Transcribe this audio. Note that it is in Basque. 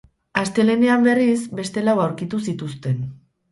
Astelehenean, berriz, beste lau aurkitu zituzten.